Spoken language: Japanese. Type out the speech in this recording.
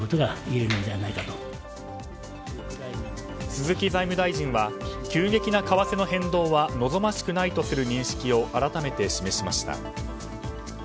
鈴木財務大臣は急激な為替の変動は望ましくないとする認識を改めて示しました。